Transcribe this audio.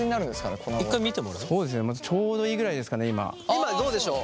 今どうでしょう？